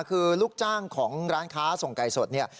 คือลูกจ้างของร้านค้าส่งไก่สดเนี่ย